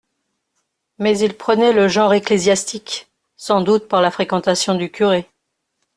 Mais il prenait le genre ecclésiastique, sans doute par la fréquentation du curé.